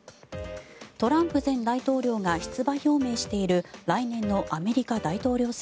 トランプ前大統領が出馬表明している来年のアメリカ大統領選。